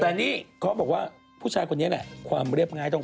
แต่นี่เขาบอกว่าผู้ชายคนนี้ความเรียบง่าย